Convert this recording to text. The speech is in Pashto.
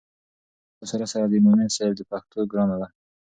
له دې ټولو سره سره د مومند صیب د پښتو ګرانه ده